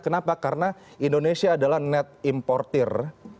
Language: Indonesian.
kenapa karena indonesia adalah net importer